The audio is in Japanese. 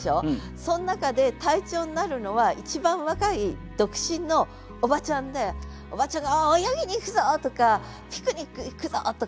その中で隊長になるのは一番若い独身のおばちゃんでおばちゃんが「泳ぎに行くぞ！」とか「ピクニック行くぞ！」とか。